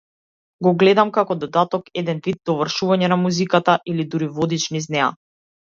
Го гледам како додаток, еден вид довршување на музиката, или дури водич низ неа.